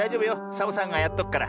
サボさんがやっとくから。